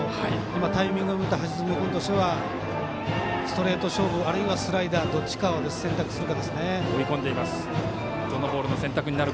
今、タイミングを見て橋爪君としてはストレート勝負あるいはスライダーどっちを選択するかですね。